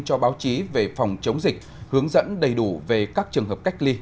cho báo chí về phòng chống dịch hướng dẫn đầy đủ về các trường hợp cách ly